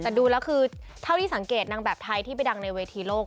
แต่ดูแล้วคือเท่าที่สังเกตนางแบบไทยที่ไปดังในเวทีโลก